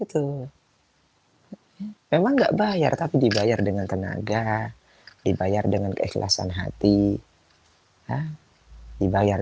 hai itu memang nggak bayar tapi dibayar dengan tenaga dibayar dengan keikhlasan hati dibayar